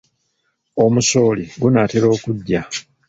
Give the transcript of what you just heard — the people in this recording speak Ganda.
Omusooli gunaatera okuggya.